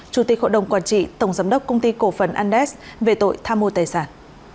chủ tịch hội đồng quản trị tổng giám đốc công ty cổ phần andes về tội tham mô tài sản